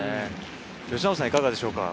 由伸さんはいかがでしょうか？